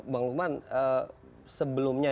bang lukman sebelumnya